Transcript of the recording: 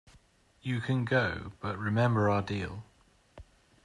You can go, but remember our deal.